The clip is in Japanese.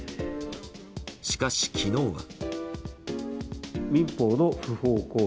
しかし、昨日は。